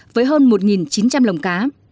với hơn một chín trăm linh lồng cá